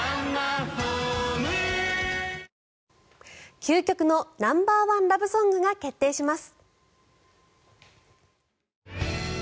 究極のナンバーワンラブソングが決定します。